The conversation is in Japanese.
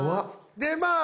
でまあ